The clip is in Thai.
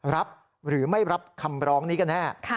รับหรือไม่รับคำร้องนี้กันแน่